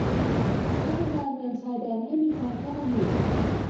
พัฒนาเมืองชายแดนให้มีความน่าอยู่